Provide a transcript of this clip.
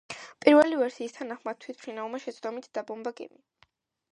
პირველი ვერსიის თანახმად, თვითმფრინავმა შეცდომით დაბომბა გემი.